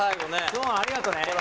そうありがとね。